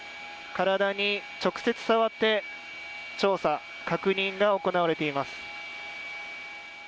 体に直接触って調査・確認が行われています。